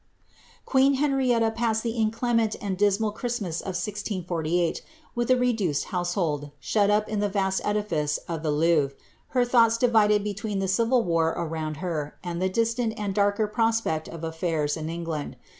^ Queen Henrietta passed the inclement and dismal Christmas of 1648, ith a reduced household, shut up in the vast edilice of the Louvre, her loughts divided between the civil war around her and the distant and arker prospect of af&irs in England.